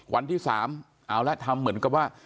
วันที่๓เอาละทำเหมือนกับว่า